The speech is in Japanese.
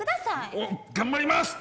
おお頑張ります！